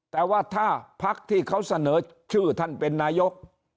แต่ว่าถ้าพักที่เขาเสนอชื่อท่านเป็นนายก